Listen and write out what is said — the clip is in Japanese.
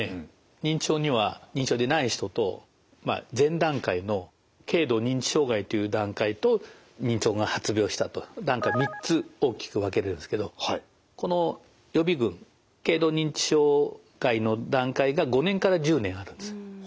認知症には認知症でない人と前段階の軽度認知障害という段階と認知症が発病したと段階３つ大きく分けれるんですけどこの予備群軽度認知障害の段階が５年から１０年あるんです。